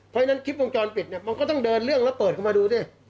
เพราะฉะนั้นคลิปวงจรปิดเนี่ยมันก็ต้องเดินเรื่องแล้วเปิดเข้ามาดูสิ